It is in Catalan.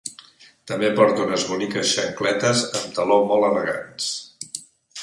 També porta unes boniques xancletes amb taló molt elegants.